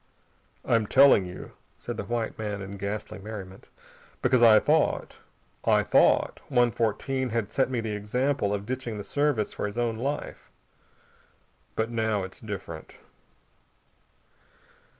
"I'm telling you," said the white man in ghastly merriment, "because I thought I thought One Fourteen had set me the example of ditching the Service for his own life. But now it's different."